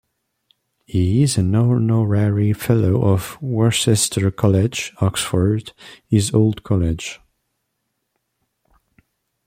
He is an honorary fellow of Worcester College, Oxford, his old college.